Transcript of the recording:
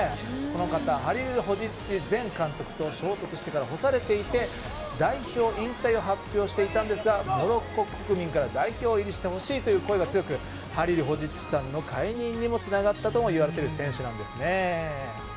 この方ハリルホジッチ前監督と衝突してから干されていて代表引退を発表していたんですがモロッコ国民から代表入りしてほしいという声が強くハリルホジッチさんの解任につながったともいわれている選手なんですね。